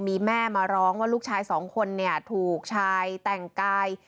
มีแม่มาร้องว่าลูกชายสองคนเนี่ยถูกชายแต่งกาย